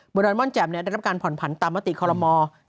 บริษัทมนตร์ม่อนแจ่มได้รับการผ่อนผันตามวัตติคม๓๐